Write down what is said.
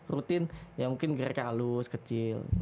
rutin ya mungkin geraknya halus kecil